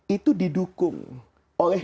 itu didukung oleh